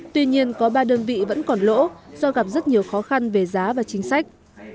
tuy nhiên có ba đơn vị vẫn còn lỗ do gặp rất nhiều khó khăn về giá và chính sách